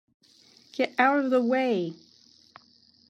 Get out of the way!